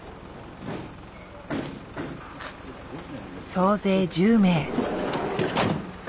総勢１０名。